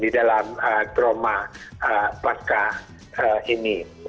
dalam trauma pasca ini